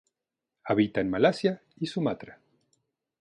Habita en Malasia y Sumatra.